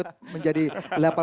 nama kita sun